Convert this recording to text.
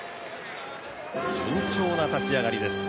順調な立ち上がりです。